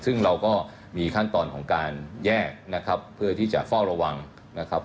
ซึ่งเราก็มีขั้นตอนของการแยกนะครับเพื่อที่จะเฝ้าระวังนะครับ